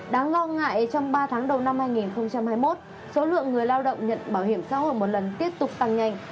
đáng lo ngại trong ba tháng đầu năm hai nghìn hai mươi một số lượng người lao động nhận bảo hiểm xã hội một lần tiếp tục tăng nhanh